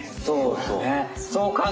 そうそう。